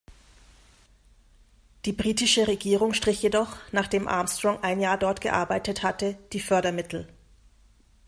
Die britische Regierung strich jedoch, nachdem Armstrong ein Jahr dort gearbeitet hatte, die Fördermittel.